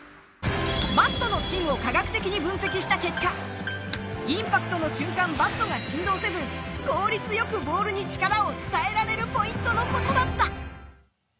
バットの芯を科学的に分析した結果、インパクトの瞬間、バットが振動せず、効率よくボールに力を伝えられるポイントのことだった。